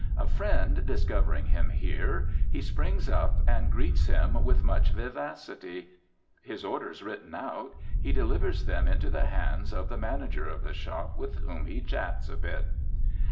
A friend discovering him here, he springs up and greets him with much vivacity. His orders written out, he delivers them into the hands of the manager of the shop with whom he chats a bit.